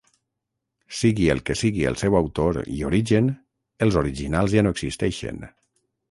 Sigui el que sigui el seu autor i origen, els originals ja no existeixen.